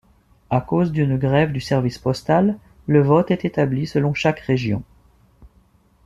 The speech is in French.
À cause d'une grève du service postal, le vote est établi selon chaque région.